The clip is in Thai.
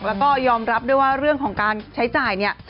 แล้วก็ยอมรับด้วยว่าเรื่องของการใช้จ่ายเนี่ย